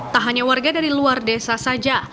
tak hanya warga dari luar desa saja